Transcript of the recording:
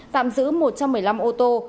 tạm giữ một trăm một mươi năm ô tô